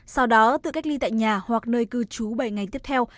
sau đó tự cách ly tại nhà hoặc nơi cư trú bảy ngày tiếp theo